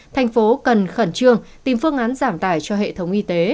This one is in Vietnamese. thành phố cần khẩn trương tìm phương án giảm tải cho hệ thống y tế